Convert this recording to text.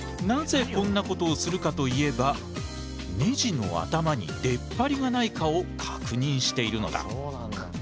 なぜこんなことをするかといえばネジの頭に出っ張りがないかを確認しているのだ。